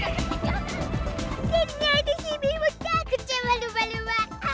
jadinya ada si bim takut sama lumba lumba